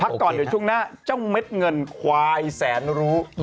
ก่อนเดี๋ยวช่วงหน้าเจ้าเม็ดเงินควายแสนรู้